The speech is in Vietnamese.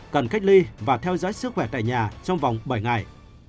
cần cách ly và theo dõi sức khỏe tại nhà trong vòng bảy ngày